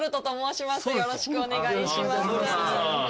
よろしくお願いします。